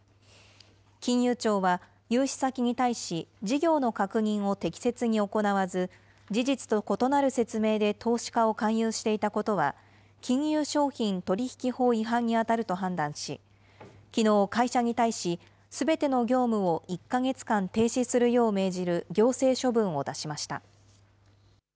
金融庁は、融資先に対し、事業の確認を適切に行わず、事実と異なる説明で投資家を勧誘していたことは、金融商品取引法違反に当たると判断し、きのう、会社に対し、すべての業務を１か月間停止するよう命じる行政処分を出しました。